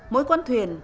mỗi con thuyền